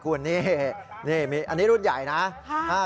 อันนี้รุ่นใหญ่นะ